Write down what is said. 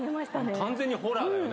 完全にホラーだよね。